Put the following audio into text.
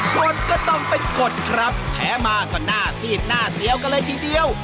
กฎก็ต้องเป็นกฎครับแพ้มาก็หน้าซีดหน้าเสียวกันเลยทีเดียว